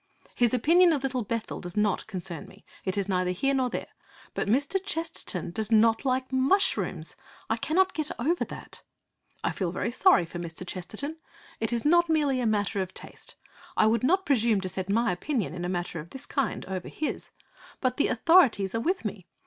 His opinion of Little Bethel does not concern me. It is neither here nor there. But Mr. Chesterton does not like mushrooms! I cannot get over that! I feel very sorry for Mr. Chesterton. It is not merely a matter of taste. I would not presume to set my opinion in a matter of this kind over against his. But the authorities are with me.